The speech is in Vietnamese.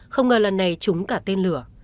không ngờ lần này trúng cả tên lửa